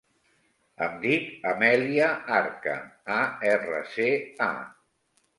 Em dic Amèlia Arca: a, erra, ce, a.